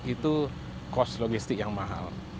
itu cost logistik yang mahal